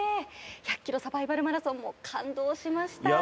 １００ｋｍサバイバルマラソンも感動しました。